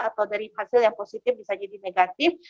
atau dari hasil yang positif bisa jadi negatif